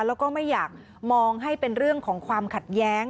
แล้วก็ไม่อยากมองให้เป็นเรื่องของความขัดแย้ง